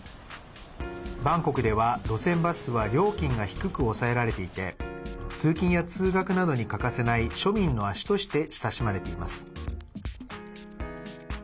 バンコクでは路線バスは料金が低く抑えられていて通勤や通学などに欠かせない庶民の足として親しまれています。